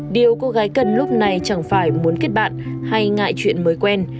điều cô gái cần lúc này chẳng phải muốn kết bạn hay ngại chuyện mới quen